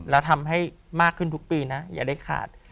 แล้วทำให้มากขึ้นทุกปีนะอย่าได้ขาด